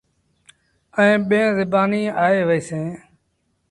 ائيٚݩ ٻيٚن زبآنيٚن آئي وهيٚسيٚݩ۔